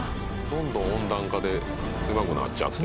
どんどん温暖化で狭くなっちゃって。